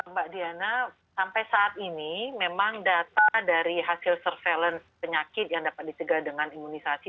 mbak diana sampai saat ini memang data dari hasil surveillance penyakit yang dapat dicegah dengan imunisasi